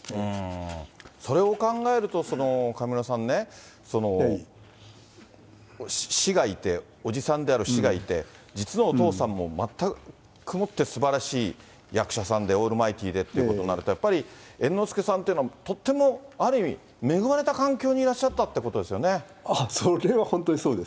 それを考えると、上村さんね、師がいて、伯父さんである師がいて、実のお父さんも全くもってすばらしい役者さんでオールマイティーでってことになると、やっぱり猿之助さんっていうのは、とってもある意味、恵まれた環境にいらっしゃったってことですよね。